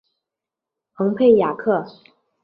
蓬佩雅克。